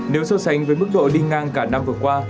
nếu so sánh với mức độ đi ngang cả năm vừa qua